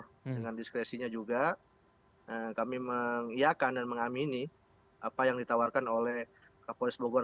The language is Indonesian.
dengan diskresinya juga kami mengiakan dan mengamini apa yang ditawarkan oleh kapolres bogor